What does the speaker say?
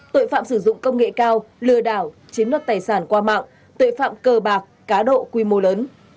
tội phạm sử dụng công nghệ cao lừa đảo chiếm đoạt tài sản qua mạng tội phạm cơ bạc cá độ quy mô lớn